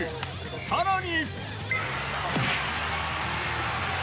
更に。